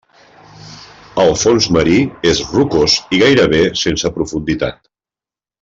El fons marí és rocós i gairebé sense profunditat.